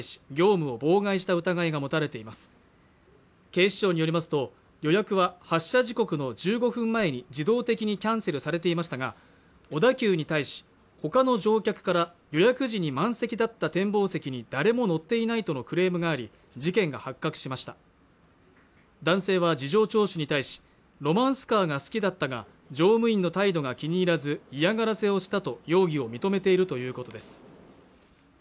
警視庁によりますと予約は発車時刻の１５分前に自動的にキャンセルされていましたが小田急に対しほかの乗客から予約時に満席だった展望席に誰も乗っていないとのクレームがあり事件が発覚しました男性は事情聴取に対しロマンスカーが好きだったが乗務員の態度が気に入らず嫌がらせをしたと容疑を認めているということです